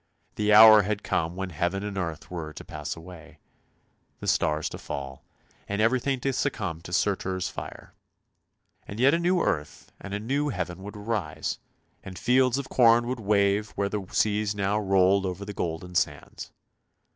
The hour had come when heaven and earth were to pass away, the stars to fall, and everything to succumb to Surtur's fire — and yet a new earth and a new heaven would arise, and fields of corn would wave where the seas now rolled over the golden sands.